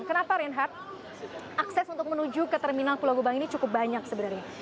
kenapa reinhard akses untuk menuju ke terminal pulau gebang ini cukup banyak sebenarnya